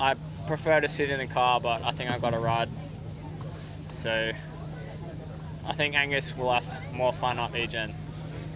saya pikir ya itu hanya akan menjadi para pembalap gc yang akan harus berusaha seberat mungkin dan melihat apa yang terjadi